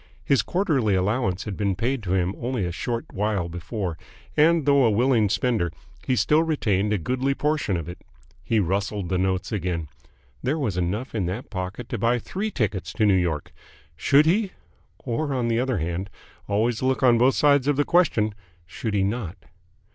His quarterly allowance had been paid to him only a short while before, and, though a willing spender, he still retained a goodly portion of it. He rustled the notes again. There was enough in that pocket to buy three tickets to New York. Should he? ... Or, on the other hand always look on both sides of the question should he not?